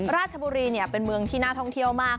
ราชบุรีเป็นเมืองที่น่าท่องเที่ยวมาก